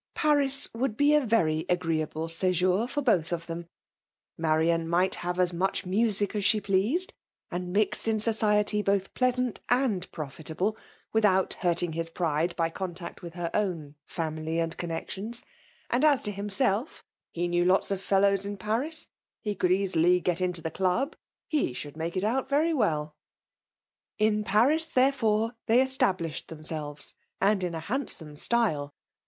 Paris would be a very agreeable Mejtmr for both of them : Marian might have as much music as she pleased, and ndx in society both pleasant and profitable, without hurting his pride by con tact with her own family and connexions ; and as to himself, ''he knew lots of fellows in Paiis ; he could easily get into the Club ; he should make it out v«ry welL In Paris, therefore, they established them selves, and in a handsome style.